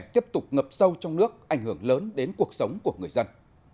tiếp tục ngập sâu trong nước ảnh hưởng lớn đến cuộc sống của người dân